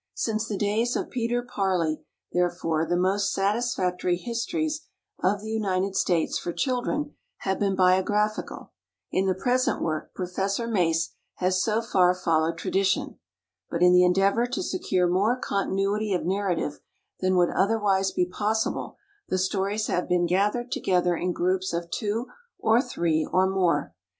Since the days of "Peter Parley," therefore, the most satisfactory histories of the United States for children have been biographical. In the present work Professor Mace has so far followed tradition. But in the endeavor to secure more continuity of narrative than would otherwise be possible, the stories have been gathered together in groups of two or three or more.